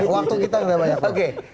waktu kita tidak banyak